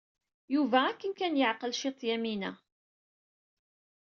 Yuba akken kan yeɛqel ciṭ Yamina.